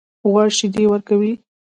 غوا شیدې ورکوي.